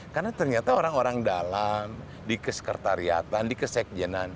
karena ternyata orang orang dalam di kesekretariatan di kesekjen